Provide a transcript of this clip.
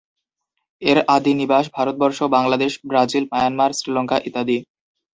এর আদি নিবাস ভারতবর্ষ, বাংলাদেশ, ব্রাজিল, মায়ানমার, শ্রীলঙ্কা ইত্যাদি।